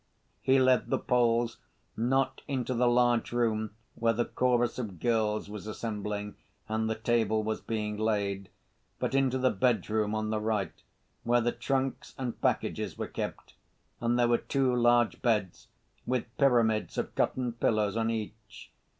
He led the Poles, not into the large room where the chorus of girls was assembling and the table was being laid, but into the bedroom on the right, where the trunks and packages were kept, and there were two large beds, with pyramids of cotton pillows on each.